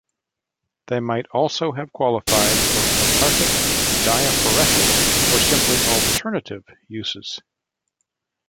They might also have qualified for cathartic, diaphoretic, or simply alternative uses.